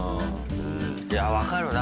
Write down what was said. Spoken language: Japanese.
いや、分かるな。